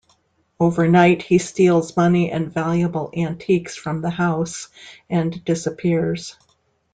Overnight he steals money and valuable antiques from the house and disappears.